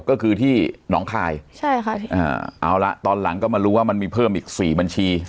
ก็คือที่หนองคายเอาละตอนหลังก็มารู้ว่ามันมีเพิ่มอีก๔บัญชี